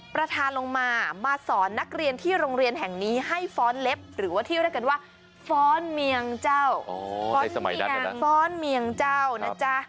ประธานลงมามาสอนนักเรียนที่โรงเรียนแห่งนี้ให้ฟ้อนเล็บหรือว่าที่เรียกกันว่าฟ้อนเมียงเจ้าในสมัยนั้นฟ้อนเมียงเจ้านะจ๊ะ